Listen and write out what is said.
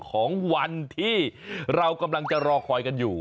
ของวันที่เรากำลังจะรอคอยกันอยู่